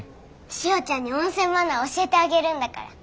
しおちゃんに温泉マナーを教えてあげるんだから。